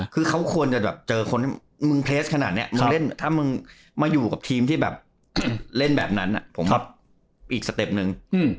คือเขาควรจะแบบเจอคนที่มึงเพลสขนาดนี้มึงเล่นถ้ามึงมาอยู่กับทีมที่แบบเล่นแบบนั้นผมว่าอีกสเต็ปนึง